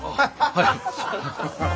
はい。